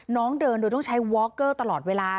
น้องเดินโดยต้องใช้วอคเกอร์ตลอดเวลา